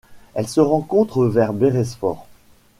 Elle se rencontre vers Beresford.